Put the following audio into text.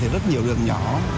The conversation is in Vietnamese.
thì rất nhiều đường nhỏ